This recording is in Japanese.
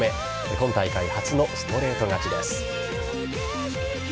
今大会初のストレート勝ちです。